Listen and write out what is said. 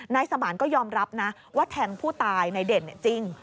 นายสมานก็ยอมรับนะว่าแทงผู้ตายนายเด่นจริง